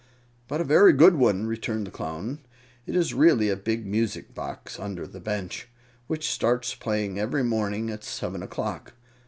"But a very good one," returned the Clown. "It is really a big music box under the bench, which starts playing every morning at seven o'clock.